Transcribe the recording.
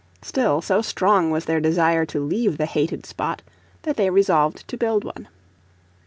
Still, so strong was their desire to leave the hated spot that they resolved to build one.